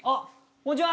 ・こんにちは。